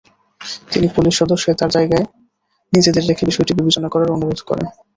তিনি পুলিশ সদস্যদের তাঁর জায়গায় নিজেদের রেখে বিষয়টি বিবেচনা করার অনুরোধ করেন।